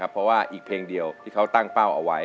เพราะว่าอีกเพลงเดียวที่เขาตั้งเป้าเอาไว้